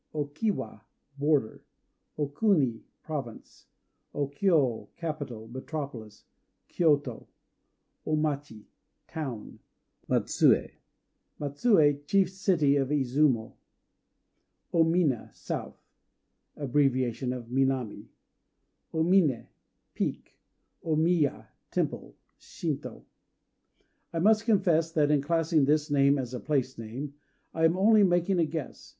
O Kiwa "Border." O Kuni "Province." O Kyô "Capital," metropolis, Kyôto. O Machi "Town." Matsuë "Matsuë," chief city of Izumo. O Mina "South." Abbreviation of Minami. O Miné "Peak." O Miya "Temple" [Shintô]. I must confess that in classing this name as a place name, I am only making a guess.